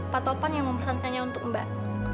pak taufan yang mempesankannya untuk mbak